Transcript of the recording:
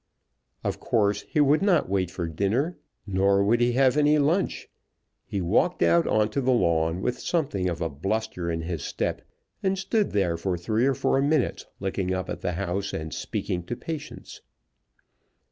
Of course he would not wait for dinner, nor would he have any lunch. He walked out on to the lawn with something of a bluster in his step, and stood there for three or four minutes looking up at the house and speaking to Patience.